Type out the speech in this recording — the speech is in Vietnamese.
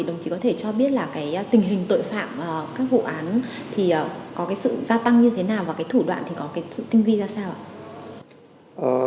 đồng chí có thể cho biết là cái tình hình tội phạm các vụ án thì có cái sự gia tăng như thế nào và cái thủ đoạn thì có cái sự tinh vi ra sao ạ